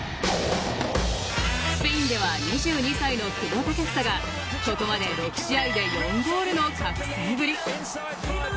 スペインでは２２歳の久保建英がここまで６試合で４ゴールの覚醒ぶり。